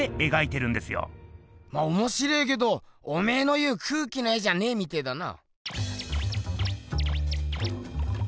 まあおもしれぇけどおめぇの言う空気の絵じゃねぇみてぇだな。